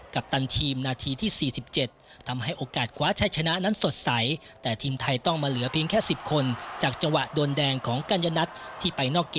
กัปตันทีมนาทีที่๔๗ทำให้โอกาสคว้าใช้ชนะนั้นสดใส